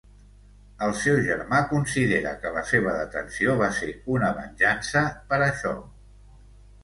El seu germà considera que la seva detenció va ser una venjança per això.